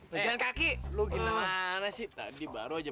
pejalan kaki lu gimana sih tadi baru aja